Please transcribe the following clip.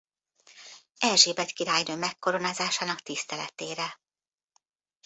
Erzsébet királynő megkoronázásának tiszteletére.